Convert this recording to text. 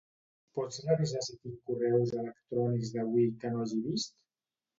Pots revisar si tinc correus electrònics d'avui que no hagi vist?